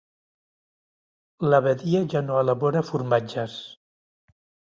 L'abadia ja no elabora formatges.